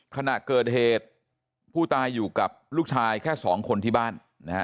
ขณะเกิดเหตุผู้ตายอยู่กับลูกชายแค่สองคนที่บ้านนะฮะ